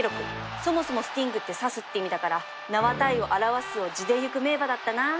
そもそもスティングって刺すって意味だから名は体を表すを地でゆく名馬だったな